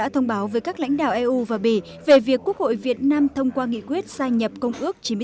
theo eu và bỉ về việc quốc hội việt nam thông qua nghị quyết sai nhập công ước chín mươi tám